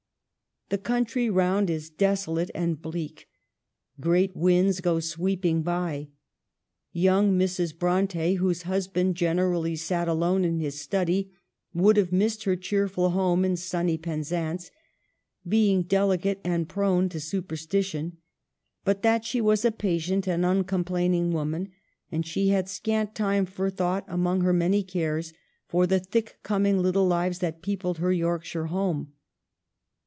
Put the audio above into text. The country round is desolate and bleak ; great winds go sweeping by ; young Mrs. Bronte, whose husband generally sat alone in his study, would have missed her cheerful home in sunny Penzance (being delicate and prone to supersti tion), but that she was a patient and uncomplain ing woman, and she had scant time for thought among her many cares for the thick coming lit tle lives that peopled her Yorkshire home.